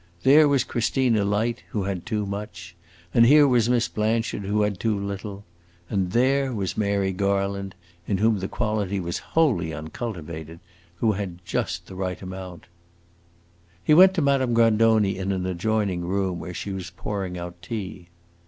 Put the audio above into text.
There was Christina Light, who had too much, and here was Miss Blanchard, who had too little, and there was Mary Garland (in whom the quality was wholly uncultivated), who had just the right amount. He went to Madame Grandoni in an adjoining room, where she was pouring out tea.